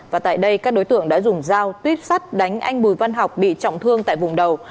và tại đây các đối tượng đã dùng dao tuyếp sắt đánh anh bùi văn học bị trọng thương tại vùng đầu